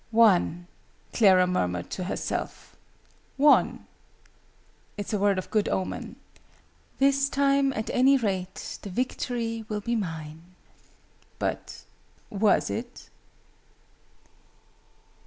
"One!" Clara murmured to herself. "Won! It's a word of good omen. This time, at any rate, the victory will be mine!" But was it?